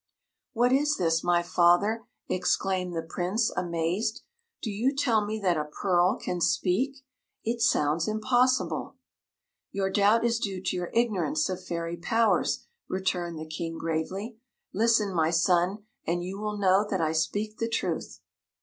"What is this, my father!" exclaimed the Prince, amazed; "do you tell me that a pearl can speak? It sounds impossible." "Your doubt is due to your ignorance of fairy powers," returned the King, gravely. "Listen, my son, and you will know that I speak the truth."